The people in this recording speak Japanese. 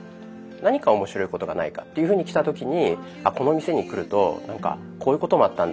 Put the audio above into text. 何か面白いことがないかっていうふうに来た時にこの店に来るとこういうこともあったんだ